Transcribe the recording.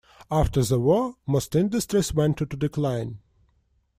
After the war, most industries went into decline.